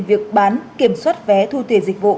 việc bán kiểm soát vé thu tiền dịch vụ